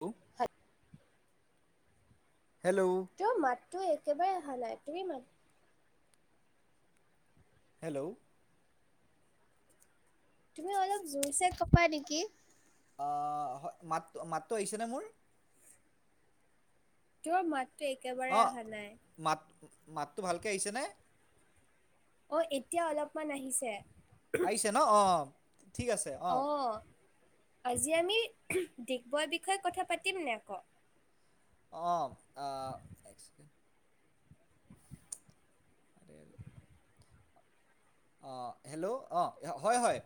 Hello হয়। Hello. তোমাৰ মাতটো একেবাৰে অহা নাই, তুমি মাত হেল্ল'। তুমি অলপ জোৰচে কবা নেকি? অ', হয় মাত-মাতটো আহিছেনে মোৰ? তোমাৰ মাতটো একেবাৰে আহা নাই। মাত-মাতটো ভালকে আহিছেনে? অ', এতিয়া অলপমান আহিছে। আহিছে নহ, অ'। অ', আজি আমি ডিগবৰ বিষয়ে কথা পাতিমনে আকৌ। অ', আহ [unintelligible] অ', হেল্ল'। অ', হয়, হয়।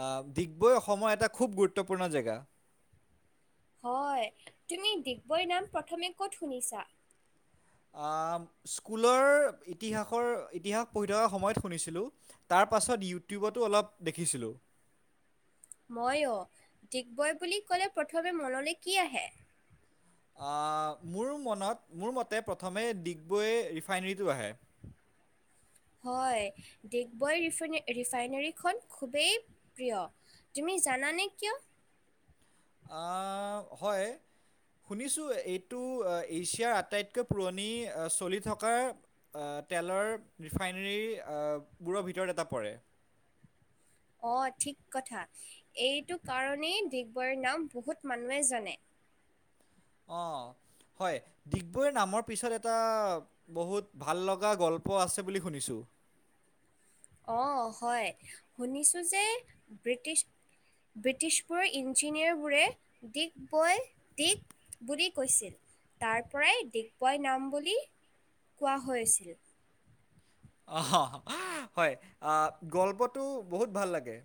আহ, ডিগবৈ অসমৰ এটা খুব গুৰুত্বপূৰ্ণ জেগা। হয়, তুমি ডিগবৈৰ নাম প্ৰথমে ক'ত শুনিছা? আহ, স্কুলৰ ইতিহাসৰ ইতিহাস পঢ়ি থকা সময়ত শুনিছিলোঁ। তাৰ পাছত, ইউটিউবতো অলপ দেখিছিলোঁ। মইও, ডিগবৈ বুলি ক'লে প্ৰথমে মনলে কি আহে? আহ, মোৰ মনত মোৰ মতে প্ৰথমে ডিগবৈ ৰিফাইনেৰীটো আহে। হয়, ডিগবৈ ৰিফাই-ৰিফাইনেৰীখন খুবেই প্ৰিয়। তুমি জানানে কিয়? আহ, হয়। শুনিছোঁ এইটো এছিয়াৰ আটাইতকৈ পুৰণি চলি থকা তেলৰ ৰিফাইনেৰী, আহ বোৰৰ ভিতৰত এটা পৰে। অ', ঠিক কথা, এইটো কাৰণেই ডিগবৈৰ নাম বহুত মানুহে জানে। অ', হয়, ডিগবৈৰ নামৰ পিছত এটা বহুত ভাল লগা গল্প আছে বুলি শুনিছো। অ', হয়, শুনিছোঁ যে ব্ৰিটিছ ব্ৰিটিছবোৰৰ ইঞ্জিনিয়াৰবোৰে, দিগবৈৰ দিগ বুলি কৈছিল, তাৰ পৰাই ডিগবৈ নাম বুলি কোৱা হৈছিল। অ', হয়, আহ গল্পটো বহুত ভাল লাগে।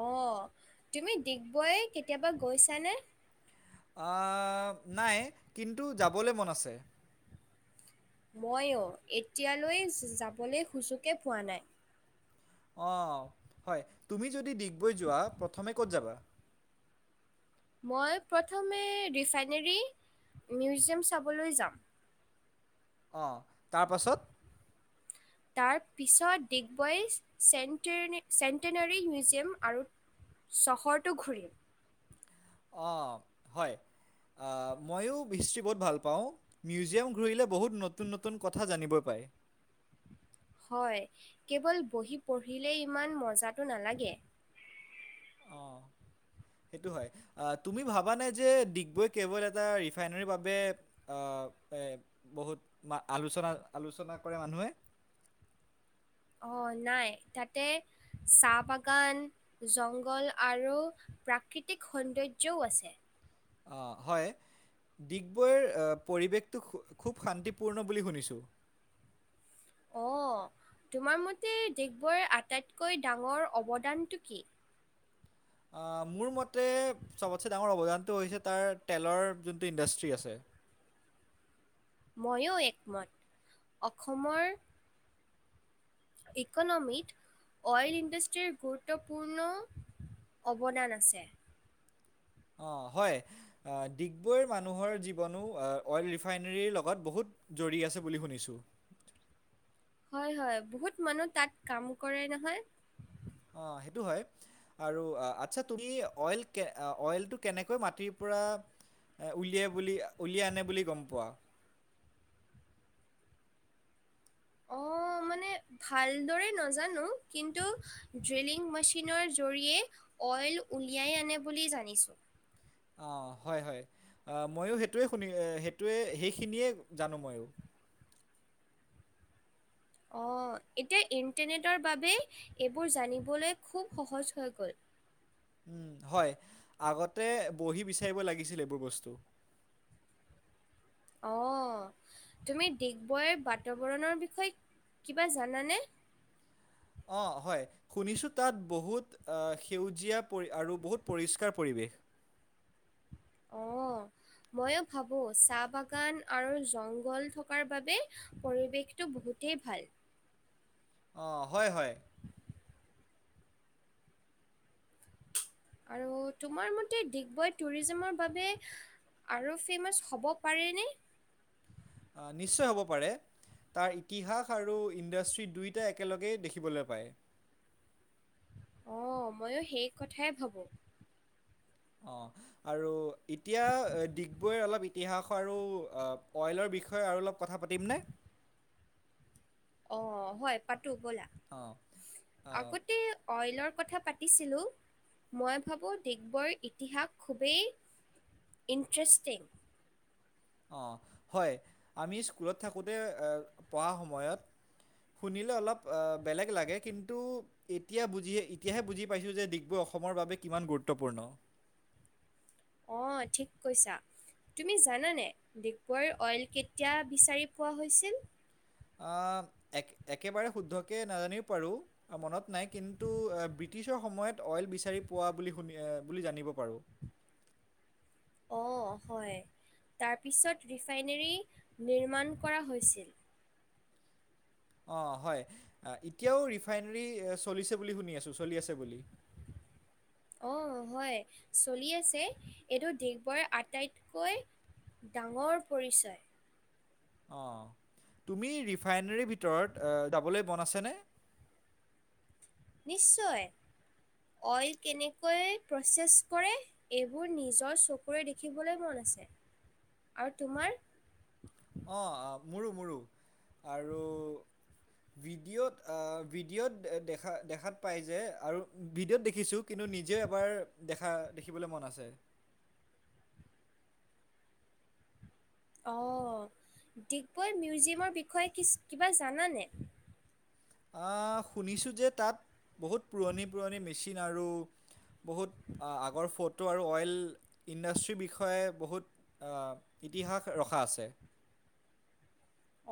অ', তুমি ডিগবৈ কেতিয়াবা গৈছানে? আহ নাই, কিন্তু যাবলৈ মন আছে। মইও, এতিয়ালৈ যাবলেই সুজোগ এ পোৱা নাই। অ', হয়, তুমি যদি ডিগবৈ যোৱা প্ৰথমে ক'ত যাবা? মই প্ৰথমে, ৰিফাইনেৰী মিউজিয়াম চাবলে যাম। অ', তাৰ পাছত? তাৰ পিছত, ডিগবৈৰ চেন্ট-চেণ্টেনাৰী মিউজিয়াম আৰু চহৰটো ঘূৰিম। [inaudible] আহ, মইও হিষ্ট্ৰী বহুত ভাল পাওঁ। মিউজিয়াম ঘূৰিলে বহুত নতুন নতুন কথা জানিব পাৰে। হয়, কেৱল বহি পঢ়িলেই ইমান মজাটো নালাগে। অ', [inaudible] সেইটো হয়, তুমি ভাবা নাই যে ডিগবৈ কেৱল এটা ৰিফাইনেৰীৰ বাবে অ, এ, বহুত আলোচনা-আলোচনা কৰে মানুহে। অ, নাই তাতে চাহ বাগান, জংঘল আৰু প্ৰাকৃতিক সৌন্দৰ্যও আছে। অ, হয় ডিগবৈৰ পৰিৱেশটো খুব শান্তিপূৰ্ণ বুলি শুনিছোঁ। অ, তোমাৰ মতে ডিগবৈ আটাইতকৈ ডাঙৰ অৱদানটো কি? মোৰ মতে চব'তছে ডাঙৰ অৱদানটো হৈছে, তাৰ তেলৰ যোনটো ইণ্ডাষ্ট্ৰী আছে। ময়ো একমত, অসমৰ ইকনমিত অইল ইণ্ডাষ্ট্ৰীৰ গুৰুত্বপূৰ্ণ অৱদান আছে। অ, হয় ডিগবৈৰ মানুহৰ জীৱনো অইল ৰিফাইনেৰীৰ লগত বহুত জৰি আছে বুলি শুনিছোঁ। হয় হয় বহুত মানুহ তাত কাম কৰে নহয়। অ, সেইটো হয়। আৰু আচ্ছা, তুমি অইল অইলটো কেনেকৈ মাটিৰ পৰা উলিয়াই বুলি, উলিয়াই আনে বুলি গম পোৱা। অ, মানে ভালদৰে নাজানো, কিন্তু ড্ৰিলিং মেচিনৰ জৰিয়ে অইল উলিয়াই আনে বুলি জানিছোঁ। অ, হয় হয়, আহ ময়ো সেইটোৱে, শুনি সেইটোৱে সেইখিনিয়ে জানো ময়ো। অ, এতিয়া ইণ্টাৰনেটৰ বাবে এইবোৰ জানিবলৈ খুব সহজ হৈ গ'ল। উ, হয় আগতে বহি বিচাৰিব লাগিছিল, এইবোৰ বস্তু। অ, তুমি ডিগবৈ বাতাবৰণৰ বিষয়ে কিবা জানানে? অ, হয়। শুনিছো, তাত বহুত সেউজীয়া পৰি, আৰু বহুত পৰিষ্কাৰ পৰিৱেশ। অ, ময়ো ভাবো চাহ বাগান আৰু জংঘল থকাৰ বাবেই পৰিৱেশটো বহুতেই ভাল। অ, হয় হয়। আৰু তোমাৰ মতে ডিগবৈ টুৰিজমৰ বাবে আৰু ফেমাছ হ'ব পাৰেনে। অ, নিশ্চয় হ'ব পাৰে। তাৰ ইতিহাস আৰু ইণ্ডাষ্ট্ৰি দুয়োটা একেলগেই দেখিবলৈ পায়। অ, ময়ো সেই কথাই ভাবোঁ। অ, আৰু এতিয়া ডিগবৈৰ অলপ ইতিহাস আৰু অইলৰ বিষয়ে আৰু অলপ কথা পাতিমনে? অ, হয় পাতো ব'লা। অঁ আহ, আগতে অইলৰ কথা পাতিছিলোঁ, মই ভাবোঁ ডিগবৈৰ ইতিহাস খুবেই ইণ্ট্ৰেষ্টিং। অ, হয় আমি স্কুলত থাকোঁতে পঢ়া সময়ত শুনিলে অলপ বেলেগ লাগে, কিন্তু এতিয়া বুজি এতিয়াহে বুজি পাইছোঁ, যে ডিগবৈ অসমৰ বাবে কিমান গুৰুত্বপূৰ্ণ। অ, ঠিক কৈছা। তুমি জানানে ডিগবৈৰ অইল কেতিয়া বিচাৰি পোৱা হৈছিল? অহ, একেবাৰে শুদ্ধকে নাজানিবও পাৰোঁ। মনত নাই কিন্তু ব্ৰিটিছৰ সময়ত, অইল বিচাৰি পোৱা বুলি শুনি, বুলি জানিব পাৰো। অ, হয় তাৰপিছত ৰিফাইনেৰী নিৰ্মাণ কৰা হৈছিল। অ, হয় এতিয়াও ৰিফাইনেৰী চলিছে বুলি শুনি আছো, চলি আছে বুলি। অহ, হয় চলি আছে। এইটো ডিগবৈ আটাইতকৈ ডাঙৰ পৰিচয়। অহ, তুমি ৰিফাইনেৰীৰ ভিতৰত অহ, যাবলৈ মন আছেনে? নিশ্চয় অইল কেনেকৈ প্ৰচেছ কৰে। এইবোৰ নিজৰ চকুৰে দেখিবলৈ মন আছে। আৰু তোমাৰ? অহ, মোৰো-মোৰো আৰু বি ভিডিঅ'ত অহ, ভিডিঅ'ত দেখা-দেখাত পায় যে আৰু ভিডিঅ'ত দেখিছোঁ কিন্তু নিজে এবাৰ দেখা-দেখিবলৈ মন আছে। অহ, ডিগবৈ মিউজিয়ামৰ বিষয়ে কি-কিবা জানানে? শুনিছোঁ যে তাত বহুত পুৰণি-পুৰণি মেচিন আৰু বহুত আগৰ ফটো আৰু অইল ইণ্ডাষ্ট্ৰীৰ বিষয়ে বহুত অহ, ইতিহাস ৰখা আছে।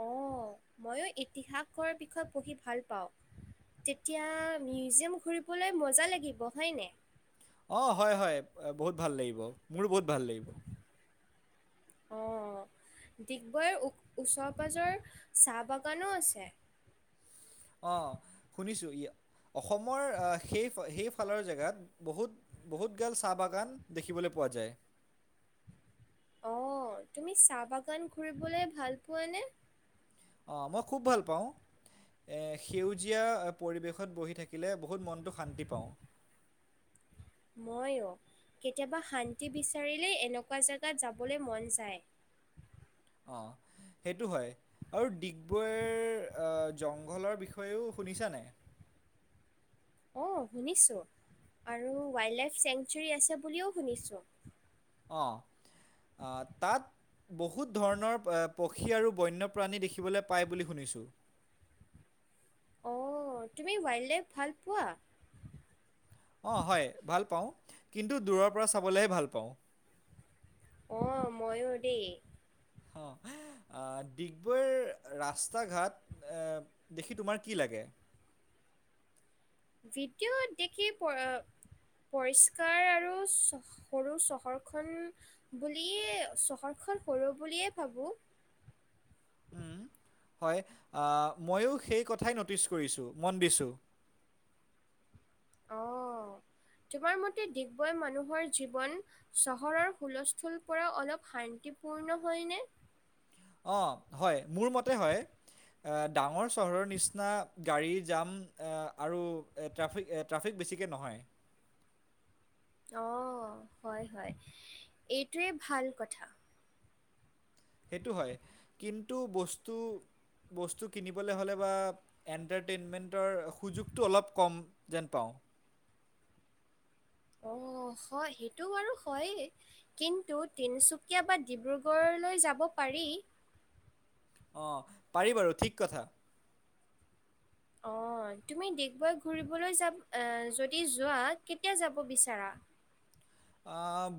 অহ, মইয়ো ইতিহাসৰৰ বিষয়ে পঢ়ি ভাল পাওঁ। তেতিয়া মিউজিয়াম ঘুৰিবলৈ মজা লাগিব হয়নে? অহ, হয়-হয় বহুত ভাল লাগিব। মোৰো বহুত ভাল লাগিব। অহ, ডিগবৈ ও-ওচৰ পাজৰ চাহ বাগানো আছে। অহ, শুনিছোঁ অসমৰ সেই-সেইফালৰ জেগাত বহুত বহুত গাল চাহ বাগান দেখিবলৈ পোৱা যায়। অহ, তুমি চাহ বাগান ঘুৰিবলৈ ভাল পোৱানে? অহ, মই খুব ভাল পাওঁ। এ সেউজীয়া পৰিৱেশত বহি থাকিলে বহুত মনটো শান্তি পাওঁ। মইয়ো, কেতিয়াবা শান্তি বিচাৰিলেই এনেকুৱা জেগাত যাবলৈ মন যায়। অহ, সেইটো হয়। আৰু ডিগবৈৰ অহ, জংঘলৰ বিষয়েও শুনিছানে নাই? অহ, শুনিছোঁ আৰু ৱাইল্ড লাইফ চেংচুৰী আছে বুলিওঁ শুনিছোঁ। অহ', আহ, তাত বহুত ধৰণৰ পক্ষী আৰু বন্যপ্ৰাণী দেখিবলৈ পায় বুলি শুনিছোঁ। অহ, তুমি ৱাইল্ড লাইফ ভাল পোৱা? অহ, হয় ভাল পাওঁ কিন্তু দূৰৰ পৰা চাবলৈহে ভাল পাওঁ। অহ, মইয়ো দেই। অঁ [inaudible] আহ, ডিগবৈৰ ৰাস্তা ঘাট দেখি তোমাৰ কি লাগে? ভিডিঅ' দেখি প পৰিষ্কাৰ আৰু চ' সৰু চহৰখন বুলিয়েই, চহৰখন সৰু বুলিয়েই ভাবোঁ। উম, হয়। অহ, মইয়ো সেই কথাই ন'টিছ কৰিছোঁ, মন দিছোঁ। অহ, তোমাৰ মতে ডিগবৈৰ মানুহৰ জীৱন। চহৰৰ হুলস্থুল পৰা অলপ শান্তিপূৰ্ণ হয়নে? অহ, হয় মোৰ মতে হয়। অহ, ডাঙৰ চহৰৰ নিচিনা গাড়ী জাম আৰু ট্ৰেফিক-ট্ৰেফিক বেছিকৈ নহয়। অহ, হয়, হয়। এইটোৱে ভাল কথা। সেইটো হয় কিন্তু বস্তু-বস্তু কিনিবলৈ হ'লে বা এণ্টাৰটেইনমেন্টৰ সুযোগতটো অলপ কম যেন পাওঁ। অহ, হয় সেইটো বাৰু হয়েই। কিন্তু তিনিচুকীয়া বা ডিব্ৰুগড়লৈ যাব পাৰি। অহ, পাৰি বাৰু ঠিক কথা। অহ, তুমি ডিগবৈ ঘুৰিবলৈ যাব অহ, যদি যোৱা কেতিয়া যাব বিচাৰা?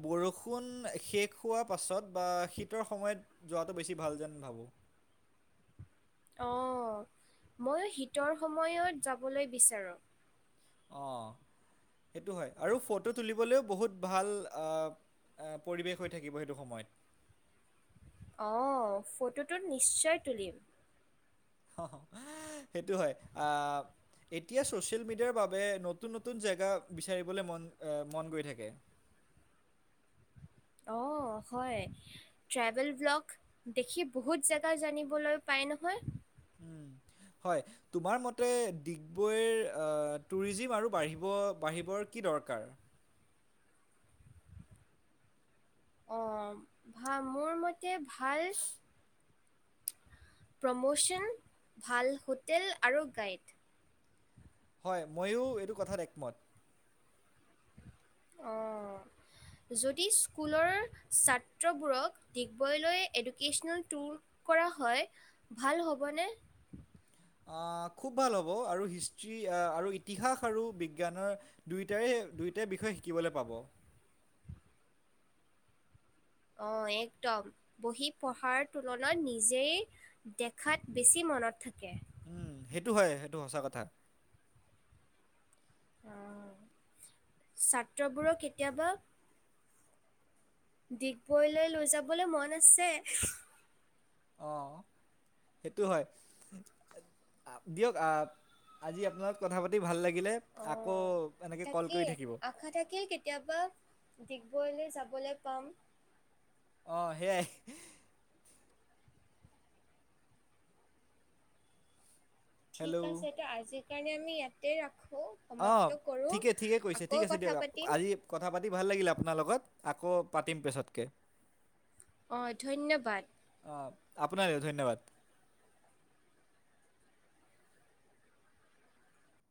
বৰষুণ শেষ হোৱাৰ পাছত বা শীতৰ সময়ত যোৱাটো বেছি ভাল যেন ভাবোঁ। অহ, মইয়ো শীতৰ সময়ত যাবলৈ বিচাৰোঁ। অ', [inaudible] সেইটো হয় আৰু ফটো তুলিবলৈও বহুত ভাল আহ পৰিৱেশ হৈ থাকিব সেইটো সময়ত। অ', ফটোটো নিশ্চয় তুলিম। অ', সেইটো হয়। আহ এতিয়া ছ'চিয়েল মিডিয়াৰ বাবে নতুন নতুন জেগা বিচাৰিবলৈ মন অহ মন গৈ থাকে। অ', হয়। ট্ৰেভেল ব্ল'গ দেখি বহুত জেগা জানিবলৈ পায় নহয়। উম, [inaudible] হয়। তোমাৰ মতে ডিগবৈৰ আহ টুৰিজিম আৰু বাঢ়িব বাঢ়িবৰ কি দৰকাৰ? অ', ভা মোৰ মতে ভাল [inaudible] প্ৰমোচন ভাল হোটেল আৰু গাইড। হয়, ময়ো এইটো কথাত একমত। অ', যদি স্কুলৰ ছাত্ৰবোৰক ডিগবৈলৈ এডুকেশ্বনেল টুৰ কৰা হয় ভাল হ'বনে? আহ খুব ভাল হ'ব আৰু হিষ্ট্ৰি আৰু ইতিহাস আৰু বিজ্ঞানৰ দুইটাৰে দুইটা বিষয়ে শিকিবলৈ পাব। অ', একদম বহি পঢ়াৰ তুলনাত নিজেই দেখাত বেছি মনত থাকে। উম, সেইটো হয় সেইটো সচাঁ কথা। অ', ছাত্ৰবোৰক কেতিয়াবা ডিগবৈলৈ লৈ যাবলৈ মন আছে। অ', সেইটো হয়। দিয়ক আ আজি আপোনাক কথা পাতি ভাল লাগিলে। আকৌ অ', এনেকৈ কল কৰি তাকেই থাকিব। আশা থাকিল কেতিয়াবা ডিগবৈলৈ যাবলৈ পাম। অ', সেয়াই। হেল্ল' ঠিক আছে তে আজিৰ কাৰণে আমি ইয়াতে ৰাখো। অ', ঠিকে ঠিকেই কৈছে ঠিক আছে দিয়ক পাতিম আজি কথা পাতি ভাল লাগিল আপোনাৰ লগত আকৌ পাতিম পিছতকে। অ', ধন্যবাদ। অ', আপোনাৰ ধন্যবাদ।